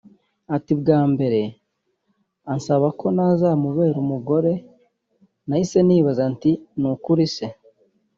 Ati “Bwa mbere ansaba ko nazamubera umugore nahise nibaza nti ‘ni ukuri se